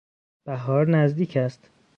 بهار نزدیک است.